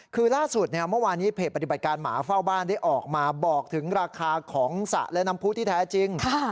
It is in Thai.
คือล่าสุดเมื่อวานี้เพจปฏิบัติการหมาเฝ้าบ้านได้ออกมาบอกถึงราคาของสระและน้ำผู้ที่แท้จริง